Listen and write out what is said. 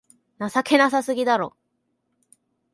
情けなさすぎだろ